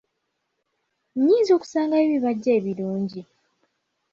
Nyinza kusangawa ebibajje ebirungi?